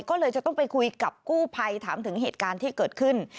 ก็เลยจะต้องไปคุยกับกู้ภัยถามถึงเหตุการณ์ที่เกิดขึ้น